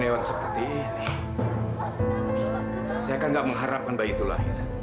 ibu pernah ketemu ibu saya